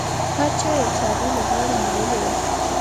هر چا یو یو څاری له غاړې نیولی و.